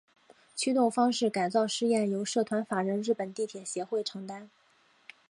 驱动方式改造试验由社团法人日本地铁协会承担。